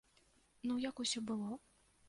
Ну як усё было?